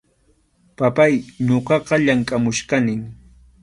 Papáy, ñuqaqa llamkʼamuchkanim.